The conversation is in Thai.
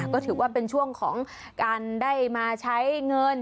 ก็ถือว่าเป็นช่วงของการได้มาใช้เงิน